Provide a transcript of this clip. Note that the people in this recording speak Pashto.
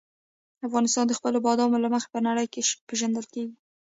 افغانستان د خپلو بادامو له مخې په نړۍ کې پېژندل کېږي.